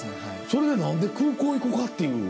それで何で空港行こかっていう。